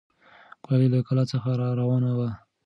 ګلالۍ له کلا څخه راروانه وه.